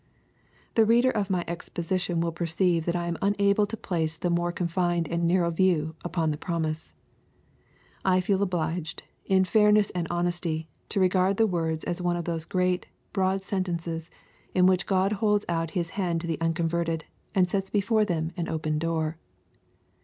The reader of my exposition will perceive that I am unable to place the more confined and narrow view upon the promise. I feel obUged, in fi^mess and honesty, to regard the words as one of those great, broad sentences, in which God holds out His hands to the unconverted, and sets before them an open door.